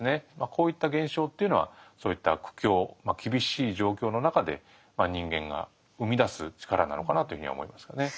こういった現象というのはそういった苦境まあ厳しい状況の中で人間が生み出す力なのかなというふうには思いますかね。